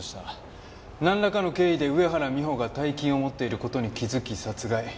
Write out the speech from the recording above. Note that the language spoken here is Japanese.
なんらかの経緯で上原美帆が大金を持っている事に気付き殺害。